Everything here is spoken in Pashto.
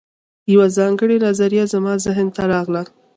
یوه ځانګړې نظریه زما ذهن ته راغله